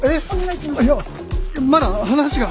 いやまだ話が！